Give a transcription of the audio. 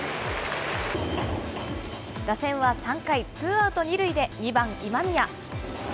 打線は３回、ツーアウト２塁で２番今宮。